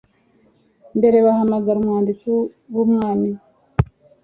mbere bahamagara abanditsi b umwami